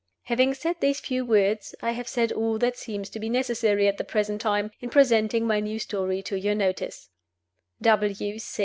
Having said these few words, I have said all that seems to be necessary at the present time, in presenting my new Story to your notice.